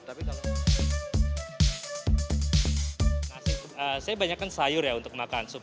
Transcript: saya banyakkan sayur untuk makan